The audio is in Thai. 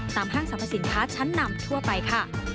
ห้างสรรพสินค้าชั้นนำทั่วไปค่ะ